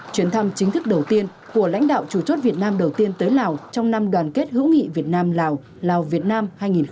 chuyến thăm chính thức đầu tiên của lãnh đạo chủ chốt việt nam đầu tiên tới lào trong năm đoàn kết hữu nghị việt nam lào lào việt nam hai nghìn một mươi tám